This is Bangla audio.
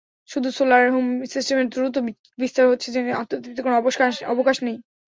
শুধু সোলার হোম সিস্টেমের দ্রুত বিস্তার হচ্ছে জেনে আত্মতৃপ্তির কোনো অবকাশ নেই।